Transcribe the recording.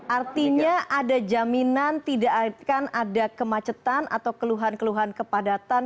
artinya ada jaminan tidak akan ada kemacetan atau keluhan keluhan kepadatan